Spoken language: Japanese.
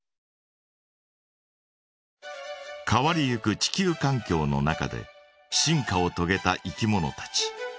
変わりゆく地球かん境の中で進化をとげたいきものたち。